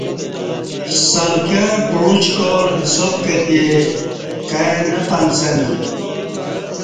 سلکں پعُچکا ل حساب کتی کائی نہ پنڅہ نہ